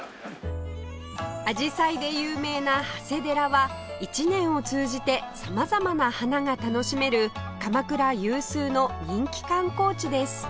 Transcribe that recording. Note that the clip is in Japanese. アジサイで有名な長谷寺は１年を通じて様々な花が楽しめる鎌倉有数の人気観光地です